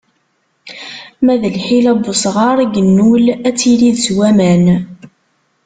Ma d lḥila n usɣar i yennul, ad tirid s waman.